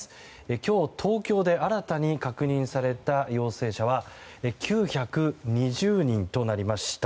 今日、東京で新たに確認された陽性者は９２０人となりました。